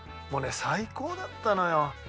もうね最高だったのよ。